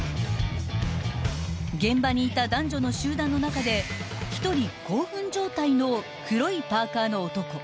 ［現場にいた男女の集団の中で一人興奮状態の黒いパーカーの男］